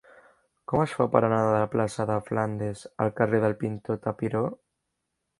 Com es fa per anar de la plaça de Flandes al carrer del Pintor Tapiró?